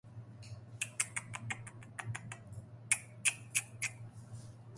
Crook has frequently been noted on lists of unusual place names.